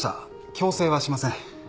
強制はしません